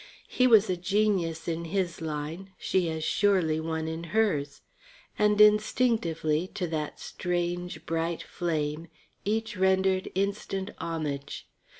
He was a genius in his line, she as surely one in hers. And, instinctively, to that strange, bright flame each rendered instant homage.